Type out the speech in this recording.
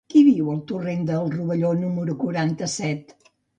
Qui viu al torrent del Rovelló número quaranta-set?